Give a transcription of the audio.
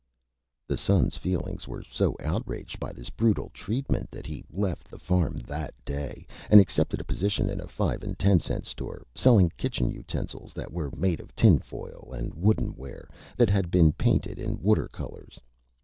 The Son's Feelings were so outraged by this Brutal Treatment that he left the Farm that Day and accepted a position in a Five and Ten Cent Store, selling Kitchen Utensils that were made of Tin Foil and Wooden Ware that had been painted in Water Colors.